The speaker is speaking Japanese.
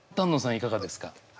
いかがですか？